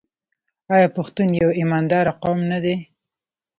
آیا پښتون یو ایماندار قوم نه دی؟